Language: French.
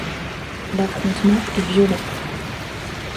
L'affrontement est violent.